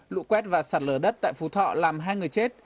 lũ quét và sạt lở đất tại phú thọ làm hai người chết